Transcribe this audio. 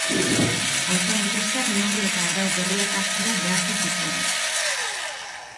Auto enpresak neurri eta arau berriak hartzera behartu zituen.